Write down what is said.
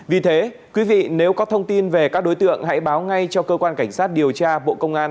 vì thế quý vị nếu có thông tin về các đối tượng hãy báo ngay cho cơ quan cảnh sát điều tra bộ công an